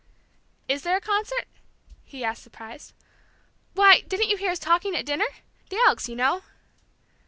"Is there a concert?" he asked, surprised. "Why, didn't you hear us talking at dinner? The Elks, you know."